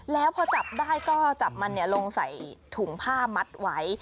แล้วพอจับได้ก็จับมันลงใส่ถุงผ้ามัดไว้